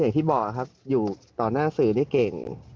อย่างที่บอกครับอยู่ต่อหน้าสื่อนี่เก่ง